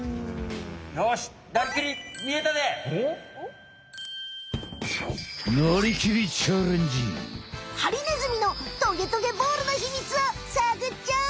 よしハリネズミのトゲトゲボールのひみつをさぐっちゃおう！